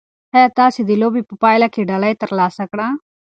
ایا تاسي د لوبې په پایله کې ډالۍ ترلاسه کړه؟